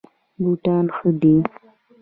بوټان ښه دي.